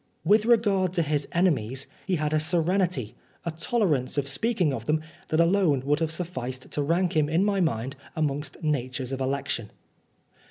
With regard to his enemies, he had a serenity, a tolerance in speaking of them that alone would have sufficed to rank him in my mind amongst natures of election.